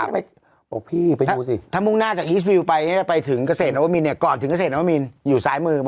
ไปขับรถไปถ่ายอะไรการอะไรไม่รู้